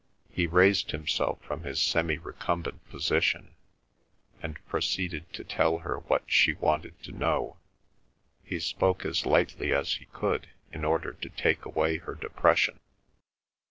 He raised himself from his semi recumbent position and proceeded to tell her what she wanted to know. He spoke as lightly as he could in order to take away her depression.